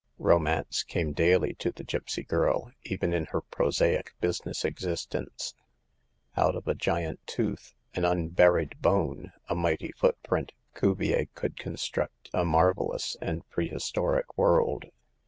Romance came daily to the gipsy girl, even in her prosaic business existence. Out of a giant tooth, an unburied bone, a mighty footprint, Cuvier could construct a mar velous and prehistoric world.